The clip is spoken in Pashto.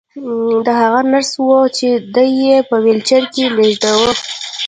دا هغه نرس وه چې دی یې په ويلچر کې لېږداوه